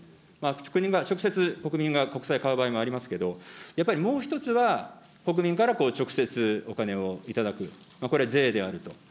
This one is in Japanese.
国民が直接、国民が国債買う場合もありますけれども、やっぱりもう１つは、国民から直接お金をいただく、これ、税であると。